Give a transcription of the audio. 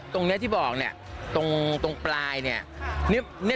ตรงนี้ที่บอกตรงปลายนี่